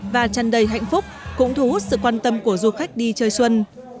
và chăn đầy hạnh phúc cũng thu hút sự quan tâm của du khách đi chơi xuân